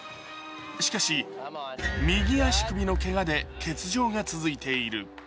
しかし右足首のけがで欠場が続いている。